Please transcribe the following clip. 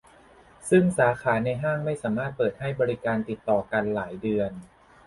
ซึ่งสาขาในห้างไม่สามารถเปิดให้บริการติดต่อกันหลายเดือน